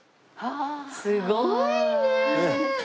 すごいね！